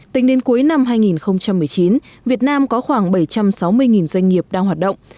tính đến cuối năm hai nghìn một mươi chín việt nam có khoảng bảy trăm sáu mươi doanh nghiệp đang hoạt động